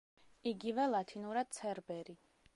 იგივე ლათინურად ცერბერი.